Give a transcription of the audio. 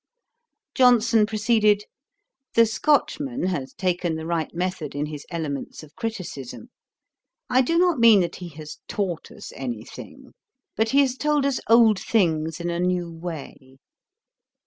Johnson proceeded: 'The Scotchman has taken the right method in his Elements of Criticism. I do not mean that he has taught us any thing; but he has told us old things in a new way.'